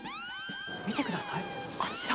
見てください、あちら！